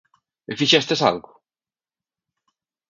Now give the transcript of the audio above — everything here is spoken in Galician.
E fixestes algo?